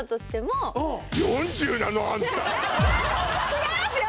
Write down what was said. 違いますよ